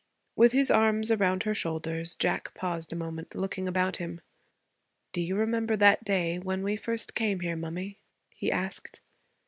With his arms around her shoulders, Jack paused a moment, looking about him. 'Do you remember that day when we first came here, mummy?' he asked.